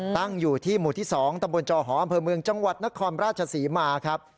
ตั้งอยู่ที่หมู่ที่๒ตำบลจอหออำเภอเมืองจังหวัดนครราชศรีมาครับ